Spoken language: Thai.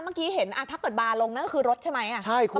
เมื่อกี้เห็นถ้าเกิดบาร์ลงนั่นก็คือรถใช่ไหม